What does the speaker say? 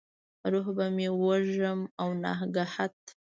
روح به مې وږم او نګهت،